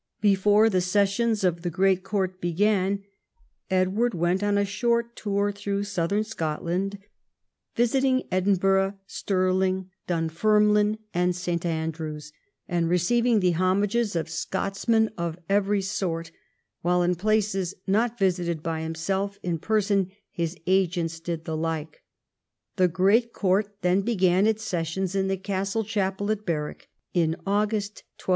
Before the sessions of the great court began, Edward went on a short tour througii southern Scotland, visiting Edinburgh, Stirling, Dun 174 EDWARD I chap. fermline, and St. Andrews, and receiving the homages of Scotsmen of every sort, while in places not visited by himself in person his agents did the like. The great court then began its sessions in the castle chapel at Berwick in August 1291.